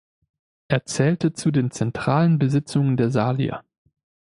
Er zählte zu den zentralen Besitzungen der Salier.